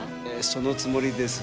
そのつもりです。